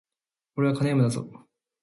俺は虹ネームだぞ